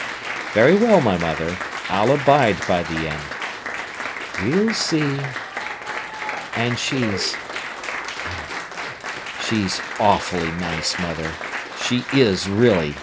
"Very well, my mother. I'll abide by the end." "We'll see!" "And she's—she's awfully nice, mother; she is really!